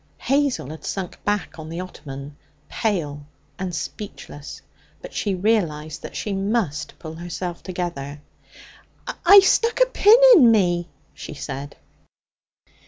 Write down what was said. Hazel had sunk back on the ottoman, pale and speechless; but she realized that she must pull herself together. 'I stuck a pin in me,' she said.